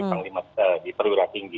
ke pangkatan di perwira tinggi